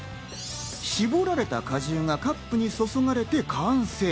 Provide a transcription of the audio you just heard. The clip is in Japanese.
絞られた果汁がカップにそそがれて完成。